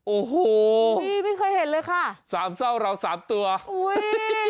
โอ้โหสามเศร้าเราสามตัวไม่เคยเห็นเลยค่ะ